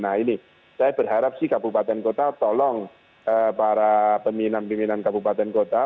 nah ini saya berharap sih kabupaten kota tolong para peminam pimpinan kabupaten kota